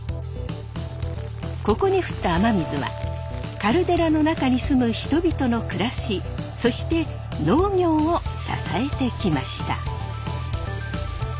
ここに降った雨水はカルデラの中に住む人々の暮らしそして農業を支えてきました。